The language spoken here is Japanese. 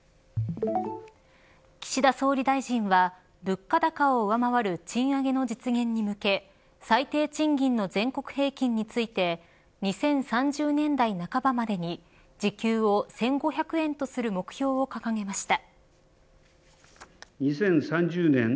岸田総理大臣は物価高を上回る賃上げの実現に向け最低賃金の全国平均について２０３０年代半ばまでに時給を１５００円とする目標を掲げました。